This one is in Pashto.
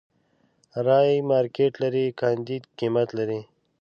رايې مارکېټ لري، کانديد قيمت لري.